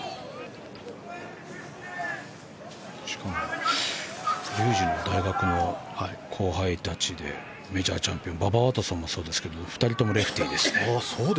しかも竜二の大学の後輩たちでメジャーチャンピオンババ・ワトソンもそうですが２人ともレフティーです。